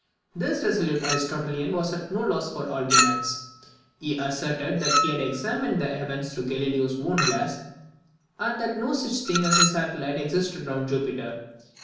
This resolute Aristotelian was at no loss for arguments. He asserted that he had examined the heavens through Galileo's own glass, and that no such thing as a satellite existed round Jupiter.